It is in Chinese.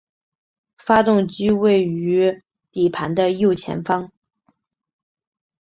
发动机位于底盘的右前方。